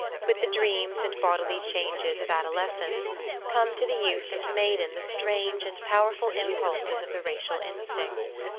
With the dreams and bodily changes of adoles cence, come to the youth and maiden the strange and powerful impulses of the racial instinct.